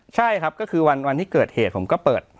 ใช่ครับก็คือวันที่เกิดเหตุผมก็เปิด